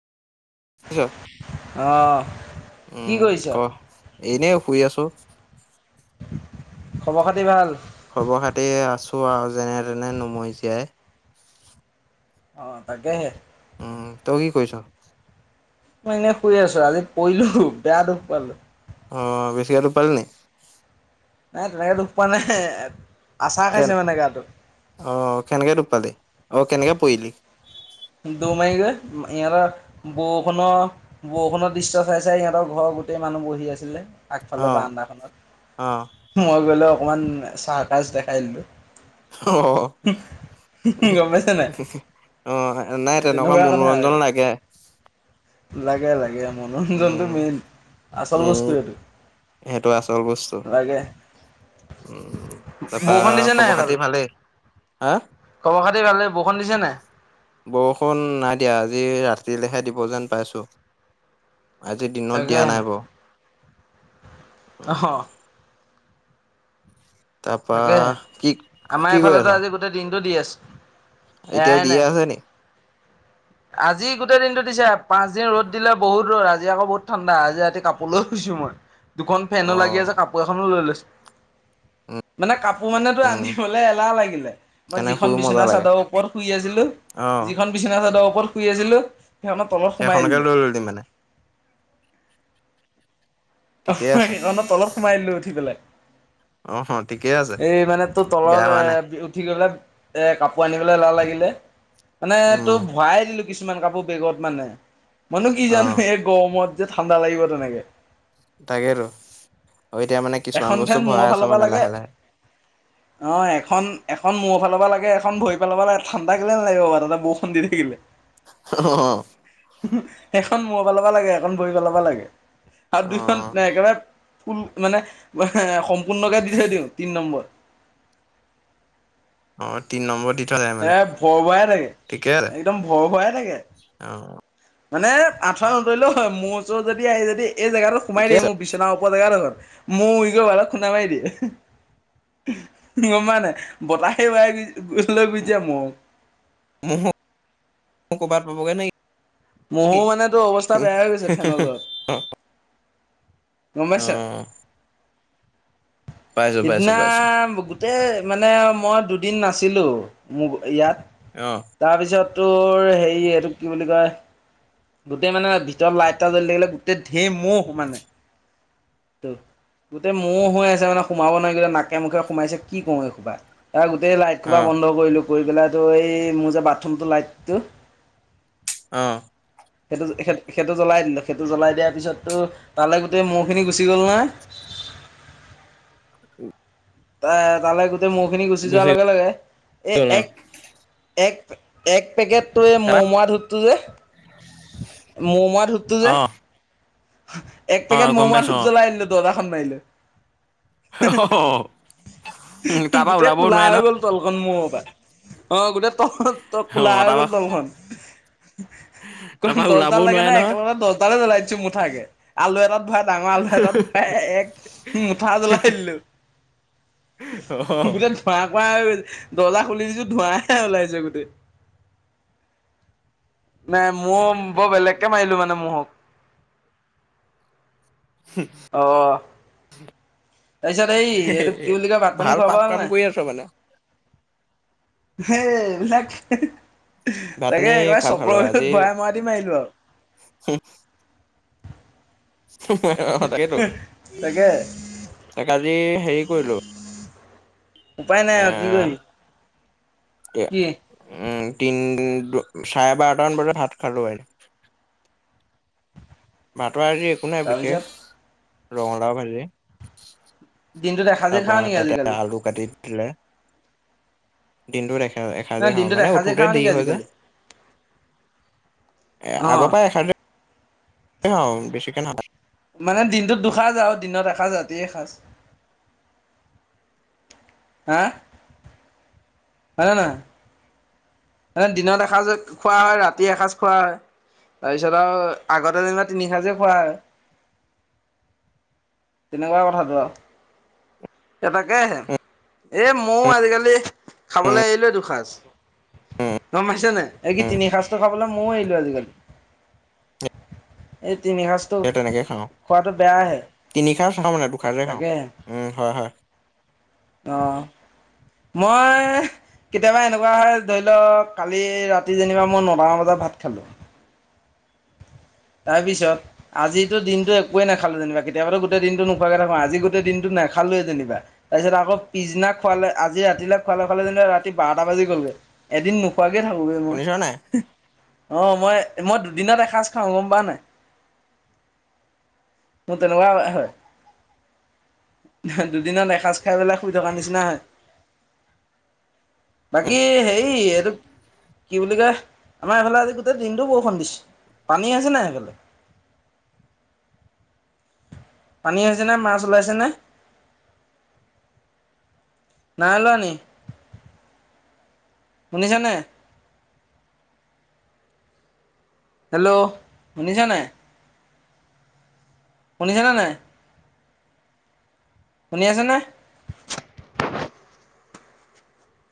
[unintelligible] অ', কি উম, কৰিছ? ক এনেই শুই আছো। খবৰ খাতি ভাল? খবৰ খাতি আছোঁ আৰু যেনে তেনে নুমৰি জীয়াই অ', তাকে। উম, তই কি কৰিছ? মই এনেই শুই আছো আজি পৰিলো বেয়া দুখ পালো অ' বেছিকৈ [unintelligible] [unintelligible] [unintelligible] দুখ পোৱা নাই আচাৰ কে খাইছে মানে গাটোত অ', কেনেকে দুকপালি অ কেনেকে পৰিলি? দু মাই গৈ ইয়াৰ [unintelligible] বৰষুণৰ? বৰষুণৰ দৃশ্য চাই চাই সিহঁতৰ ঘৰৰ গোটেই মানুহ বহি আছিলে। অ আগফালে অ বাৰান্দাখনত মই গলো অকমান চাৰ্কাজ দেখাই দিলো। উম, উম গম পাইছে নাই? অ', নাই এই তেনেকুৱা কথা মনোৰঞ্জন লাগে আৰু লাগে লাগে। মনোৰঞ্জজনটো উম মেইন আচল উম বস্তু এইটো [unintelligible] আচল বস্তু। লাগে। উম, তাৰপা বৰষুণ দিছে খবৰ খাতি ভালেই হা? খবৰ-খাতি ভালে, বৰষুণ দিছে নে নাই? বৰষুণ নাই দিয়া আজি ৰাতিলৈহে দিব যেন পাইছোঁ। আজি দিনত দিয়া তাকে নাই বাৰু। উম অহ। তাৰপা তাকেহে, কি আমাৰ কি কৰি আছ এইফালেতো আজি গোটেই দিনটো দি আছে, এতিয়াও এৰাই দিয়ে নাই। আছে নি? [inaudible] আজি গোটেই দিনটো দিছে, পাঁচ দিন ৰ'দ দিলে বহুত ৰ'দ আজি আকৌ বহুত ঠাণ্ডা আজি ৰাতি কাপোৰ লৈ শুইছো মই, দুখন ফেনো লাগি অ', আছে যে কাপোৰ এখনো লৈ লৈছোঁ। উম, মানে কাপোৰ মানে তোৰ উম, আনিবলৈ এলাহ লাগিলে। মই সেইকাৰণে যিখন শুই মজা বিছনা লাগে। চাদৰ ওপৰত শুই আছিলোঁ, অ', যিখন বিছনা চাদৰ ওপৰত শুই আছিলোঁ। সেইখনতে সেইখনকে লৈ ল'লি মানে? অ', ঠিকেই আছে। সেইখনৰ তলত সোমাই দিলো উঠি পেলাই। অ', ঠিকেই আছে, এই মানে তোৰ বেয়া তলৰ হোৱা নাই। এ উঠি গ'লে। এ কাপোৰ আনিবলে এলাহ লাগিলে। মানে উম, তোৰ ভৰাই দিলো কিছুমান কাপোৰ বেগত মানে। মইনো কি জানো অ', এই গৰমত যে ঠাণ্ডা লাগিব তেনেকে। তাকেইতো, অ', এতিয়া মানে কিছুমান এখন বস্তু ফেন ভৰাই মূৰৰ আছ ফালৰ পৰা মানে লাগে লাহে লাহে? অ', এখন এখন মূৰ ফালৰ পৰা লাগে এখন ভৰি ফালৰ পৰা লাগে, ঠাণ্ডা কেলে নালাগিব বাৰু তাতে বৰষুণ দি থাকিলে। অ'। এখন মুৰৰ ফালৰ লাগে এখন ভৰি ফালৰ পৰা লাগে, আৰু দুইখন অ', একেবাৰে ফুল মানে সম্পূৰ্ণকে দি থৈ দিওঁ তিন নম্বৰত। অ', তিনি নম্বৰত দি থোৱা যায়। মানে, এ ভৰ ভৰাই থাকে ঠিকে আছে। একদম ভৰ ভয়াই থাকে। অ', মানে আঠুৱা নতৰিলেও হয়, ম'হ-চ'হ যদি আহি যদি এই জেগাটো সোমাই ঠিকে দিয়ে আছে। মোৰ বি চনা ওপৰৰ জেগা ডোখৰত, ম'হ উৰি গৈ খুন্দা মাৰি দিয়ে। গ'ম পাৱ নে নাই, বতাহে উৰাই লৈ গুচি যায় ম'হ। ম'হও ক'ৰবাত পৰিব গৈ নেকি? ম'হৰ মানে তোৰ অৱস্থা বেয়া হৈ গৈছে [unintelligible] অ', গম পাইছ অ'। পাইছোঁ, পাইছোঁ, সিদিনা পাইছোঁ। গোটেই মানে মই দুদিন নাছিলো, মোৰ ইয়াত। অ'। তাৰপিছত তোৰ হেৰি এইটো কি বুলি কয় গোটেই মানে ভিতৰত লাইট এটা জ্বলি লাগিলে গোটেই ঢেৰ ম'হ মানে। ত' গোটেই ম'হ হৈ আছে মানে সোমাব নোৱাৰি গোটেই নাকে মুখে সোমাইছে কি কৰো এই সোপা, [unintelligible] গোটেই লাইট সোপা অ', বন্ধ কৰিলো, কৰি পেলাই তোৰ এই মোৰ যে বাথৰুমটো লাইটো। অ'। সেইটো-স-সেটো জ্বলাই দিলোঁ সেইটো জ্বলাই দিয়াৰ পিছতটো তালৈ গোটেই ম'হ খিনি গুচি গ'ল নহয়। এ তালৈ গোটেই ম'হ খিনি গুচি যোৱাৰ লগে লগে এই গ'ল অ', এক এক এক পেকেট ত' এই ম'হ তাৰপা? মৰা ধূপটো যে, ম'হ মৰা ধূপটো যে অ', এক পেকেট অ', ম'হ গম মৰা পাইছোঁ ধূপ অ', জ্বলাই দিলো দৰজাখন মাৰি লৈ। অ'। উম, তাৰ পৰা গোটেই ওলাবও কোলা নোৱাৰে হৈ নহয় গ'ল। তলখন মোৰ হপায়? অ'! গোটেই তল, অ কোলা হৈ তাৰ গ'ল, পৰা তলখন। তাৰ পৰা [unintelligible] দছডাল ওলাবও নোৱাৰে লাগেনে, নহয়। একেলগতে দছডালে জ্বলাই দিছোঁ, মুঠাকে। আলু এটাত ভৰাই ডাঙৰ আলু এটাত ভৰাই, এক মুঠা জ্বলাই দিলোঁ। অ'! গোটেই ধোঁৱা-কোঁৱা হৈ, দৰ্জা খুলি দিছোঁ, ধোঁৱাই ওলাইছে গোটেই। মানে ম'হ, বৰ বেলেগকে মাৰিলোঁ মানে, ম'হ। হোঁ! অ'! [inaudible] তাৰপিছত এই, এইটো কি বুলি কয়, ভাত-পানী, ভাল পাপ খোৱা-বোৱা কাম হ'ল নাই? কৰি আছ মানে। সেই, এইবিলাক। তাকে, ভাত পানী একেবাৰে খালো খালো চক্ৰৰ ভিতৰত, বৰাই মৰা দি, মাৰিলোঁ আৰু। হোঁ! হোঁ-হোঁ! অ' তাকেতো। তাকে তাকে আজি, সেৰি কৰিলোঁ। উপায় নাই আৰু কি কৰিবি। কি [unintelligible] উম! তিন, চাৰে বাৰটামান বজাত ভাত খালোঁ [unintelligible] ভাতৰ আজি, একো নাই তাৰপিছত বিশেষ, ৰঙালাও ভাজি। দিনটোত এসাঁজে তাৰপৰা, খাওঁ নেকি তাতে আজিকালি আলু কাটি দিলে। দিনটোত এ, ন এসাঁজেই খাওঁ। দিনটোত মানে, এসাঁজে উঠোতে খাওঁ নেকি দেৰি হৈ যে। আজিকালি এ, অ আগৰ পৰা এসাঁজে অ'! বেছিকে নালাগে। মানে, দিনটোত দুসাঁজ আৰু দিনত এসাঁজ, ৰাতি এসাঁজ। হা? হয় নে নহয়? দিনত এসাঁজ খোৱা হয়, ৰাতি এসাঁজ খোৱা হয়। তাৰপিছত আৰু আগতে, যেনিবা তিনি সাঁজেই খোৱা হয়। [inaudible] তেনেকুৱা কথাটো আৰু। এ, তাকেহে! এ, মইয়ো আজিকালি, উম খাবলে এৰিলোৱ দুসাঁজ। গম পাইছে নাই? এই কি, উম তিনি সাঁজটো খাবলৈ, মইয়ো এৰিলো আজিকালি। এই, তিনি সাঁজ সেই তেনেকে খাওঁ। তিনি সাঁজ নেখাওঁ মানে, দুসাঁজেই খাওঁ। তাকেহে উম, হয়, হয়। অ'! মই, কেতিয়াবা, এনেকুৱা হয়, ধৰি লও, কালি ৰাতি যেনিবা মই, নটামান বজাত ভাত খালোঁ। তাৰপিছত, আজিতো দিনটো একোৱে নেপালোঁ যেনিবা। কেতিয়াবাতো, গোটেই দিনটো নোখোৱাকৈ থাকোঁ। আজি, গোটেই দিনটো নেখালোঁৱেই যেনিবা। তাৰপিছত আকৌ, পিছদিনা খুৱালে, আজি ৰাতিলে খুৱালে-খুৱালে যেনিবা, ৰাতি বাৰটা বাজি গ'লগে। এদিন নোখোৱাকে থাকোঁগে মই। শুনিছ নাই? অ'! মই, মই দুদিনত এসাঁজ খাওঁ। গম পাওঁ নাই? মোৰ তেনেকুৱাই হয়, হয়। [unintelligible] দুদিনত এসাঁজ খাই পেলাই, শুই থকাৰ নিচিনা হয়। বাকী সেৰি, এইটো কি বুলি কয়? আমাৰ এইফালে আজি, গোটেই দিনটো বৰষুণ দিছে। পানী আহিছে নে নাই সেইফালে? পানী আহিছেনে, মাছ উলাইছেনে? নাই ওলোৱানি? শুনিছানে? হেল্ল'! শুনিছা নাই? শুনিছানে নাই? শুনি আছানে?